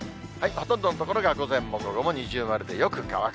ほとんどの所が午前も午後も二重丸でよく乾く。